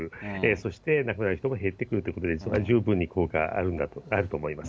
そして、亡くなる人も減ってくるということで、十分に効果があるんだと思います。